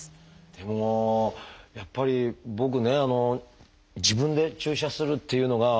でもやっぱり僕ね自分で注射するっていうのが。